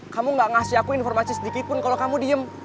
kamu gak ngasih aku informasi sedikitpun kalau kamu diem